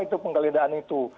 itu penggeledahan itu